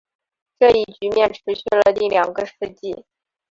这一局面持续了近两个世纪。